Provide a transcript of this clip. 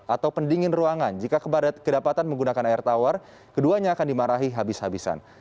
atau pendingin ruangan jika kedapatan menggunakan air tawar keduanya akan dimarahi habis habisan